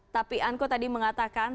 tapi anko tadi mengatakan